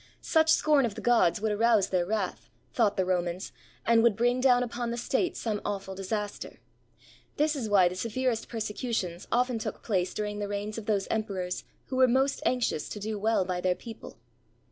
Such scorn of the gods would arouse their wrath, thought the Romans, and would bring down upon the state some awful disaster. This is why the severest persecutions often took place during the reigns of those emperors who were most anxious to do well by their people.